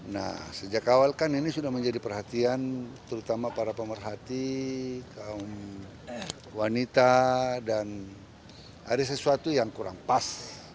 nah sejak awal kan ini sudah menjadi perhatian terutama para pemerhati kaum wanita dan ada sesuatu yang kurang pas